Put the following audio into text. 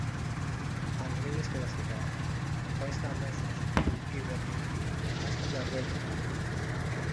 Αν είναι διασκεδαστικά, πες τα αμέσως, ειδεμή άστα για αργότερα.